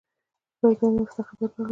پر دويمه هفته خبر راغى.